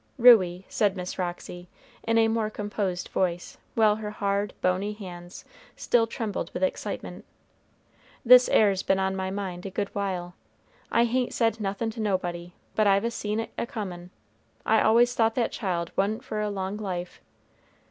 "Ruey," said Miss Roxy, in a more composed voice, while her hard, bony hands still trembled with excitement, "this 'ere's been on my mind a good while. I hain't said nothin' to nobody, but I've seen it a comin'. I always thought that child wa'n't for a long life.